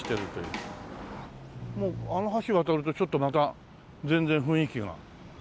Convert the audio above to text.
あの橋を渡るとちょっとまた全然雰囲気が。